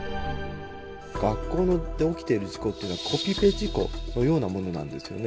学校で起きている事故っていうのはコピペ事故のようなものなんですよね。